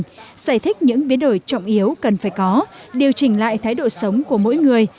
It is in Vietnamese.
giải thích những biến đổi trọng yếu cần phải có điều chỉnh lại thái độ sống của mỗi người